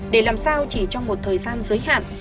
để làm sao chỉ trong một thời gian giới hạn